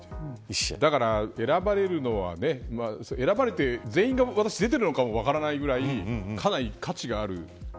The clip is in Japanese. だから選ばれて、全員が出てるのかも分からないぐらいかなり価値がある。